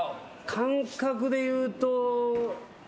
感覚でいうと。